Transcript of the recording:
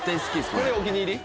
これお気に入り？